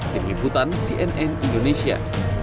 tim liputan cnn indonesia